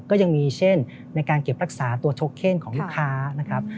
ก็ยังมีเช่นในการเก็บรักษาตัวชกเคนของลูกค้านะครับ